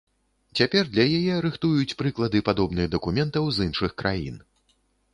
Цяпер для яе рыхтуюць прыклады падобных дакументаў з іншых краін.